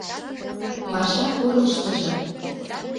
— Паша корныштыжо.